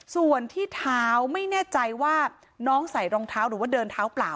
ส่วนที่เท้าไม่แน่ใจว่าน้องใส่รองเท้าหรือว่าเดินเท้าเปล่า